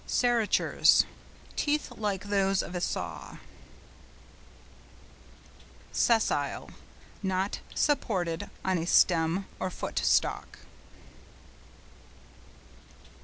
SERRATURES.—Teeth like those of a saw. SESSILE.—Not supported on a stem or footstalk.